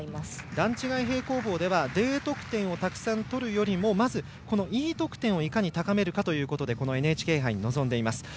段違い平行棒ではＤ得点をたくさん取るよりもまずＥ得点をいかに高めるかということでこのＮＨＫ杯に臨んでいます。